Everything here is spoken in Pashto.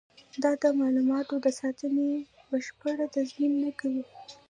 دا د معلوماتو د ساتنې بشپړ تضمین نه کوي.